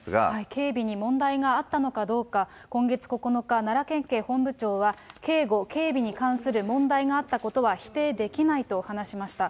警備に問題があったのかどうか、今月９日、奈良県警本部長は、警護・警備に関する問題があったことは否定できないと話しました。